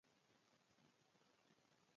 عسکرو په ملکي لباس کې برخه اخیستې وه.